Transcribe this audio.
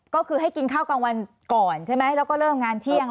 ก็คือให้กินข้าวกลางวันก่อนใช่ไหมแล้วก็เริ่มงานเที่ยง